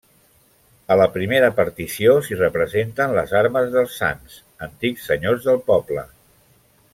A la primera partició s'hi representen les armes dels Sanç, antics senyors del poble.